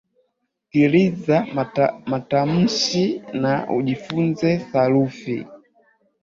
sikiliza matamshi na ujifunze sarufi